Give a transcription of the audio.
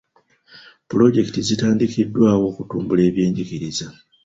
Pulojekiti zitandikiddwawo okutumbula ebyenjigiriza.